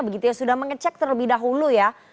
begitu ya sudah mengecek terlebih dahulu ya